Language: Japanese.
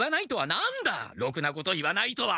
「ろくなこと言わない」とは！